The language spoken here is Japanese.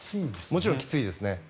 もちろんきついですね。